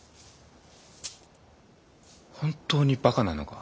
本当にバカなのか？